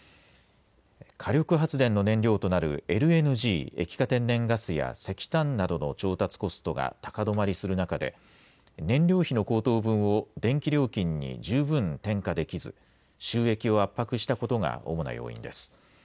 火力発電の燃料となるＬＮＧ・液化天然ガスや石炭などの調達コストが高止まりする中で、燃料費の高騰分を電気料金に十分転嫁できず、収益を圧迫したことが主な要因です。